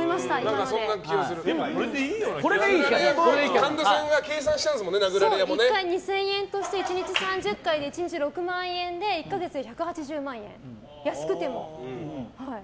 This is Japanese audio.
殴られ屋もね。１回２０００円として１日３０回で１日６万円で１か月１８０万円、安くても。